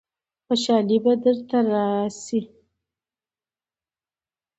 خوشالۍ به درله رايشي.